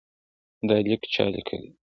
دا لیک چا لیکلی دی؟